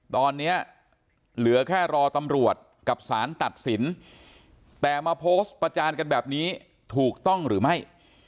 ตอนนี้เหลือแค่รอตำรวจกับสารตัดสินแต่มาโพสต์ประจานกันแบบนี้ถูกต้องหรือไม่